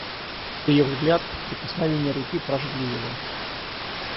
Ее взгляд, прикосновение руки прожгли его.